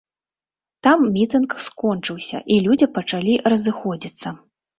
Там мітынг скончыўся, і людзі пачалі разыходзіцца.